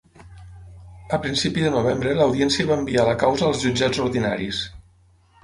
A principi de novembre l’audiència va enviar la causa als jutjats ordinaris.